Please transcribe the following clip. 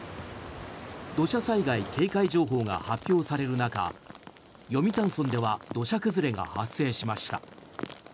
土砂災害警戒情報が発表される中読谷村では土砂崩れが発生しました。